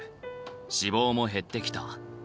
脂肪も減ってきた。